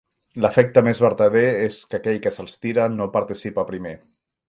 L'efecte més vertader és que aquell que se'ls tira no participa primer.